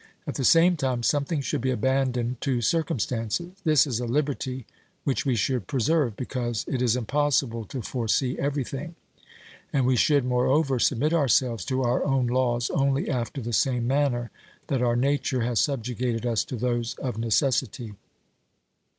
At the same time something should be abandoned to circum stances ; this is a liberty which we should preserve, because it is impossible to foresee everything, and we should more over submit ourselves to our own laws only after the same manner that our nature has subjugated us to those of necessity.